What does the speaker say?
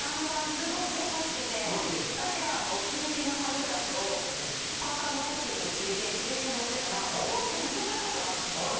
すっごく優しくて私があのお気に入りのサングラスをパーカーのポッケに入れて自転車乗ってたら落としてなくしちゃった事があったんですよ。